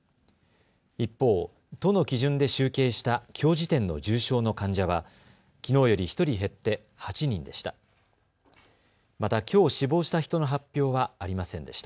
一方、都の基準で集計したきょう時点の重症の患者はきのうより１人減って８人でした。